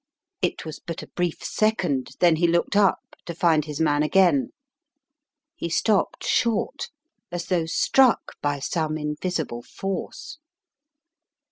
It was but a brief second, then he looked up, to find his man again. He stopped short, as though struck by some invisible force.